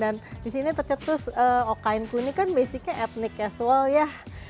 dan disini tercetus okainku ini kan basicnya ethnic as well ya